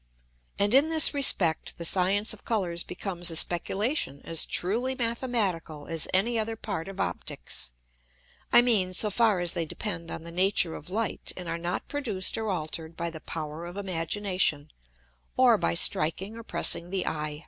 And in this respect the Science of Colours becomes a Speculation as truly mathematical as any other part of Opticks. I mean, so far as they depend on the Nature of Light, and are not produced or alter'd by the Power of Imagination, or by striking or pressing the Eye.